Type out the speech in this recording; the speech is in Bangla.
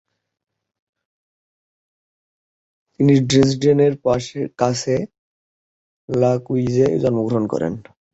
তিনি ড্রেসডেনের কাছে লকউইৎজে জন্মগ্রহণ করেন।